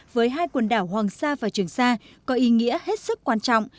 với hai quần đảo hoàng sa và trường sa có ý nghĩa hết sức quan trọng